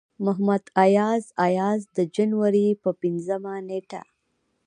محمد اياز اياز د جنوري پۀ پينځمه نيټه